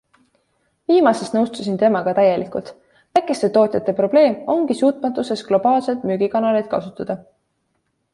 Viimases nõustusin temaga täielikult - väikeste tootjate probleem ongi suutmatuses globaalseid müügikanaleid kasutada.